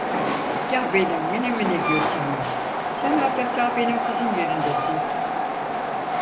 Ya, benim minimini Gülsüm'üm, sen adeta benim kızım yerindesin…